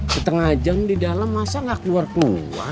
setengah jam di dalam masa nggak keluar keluar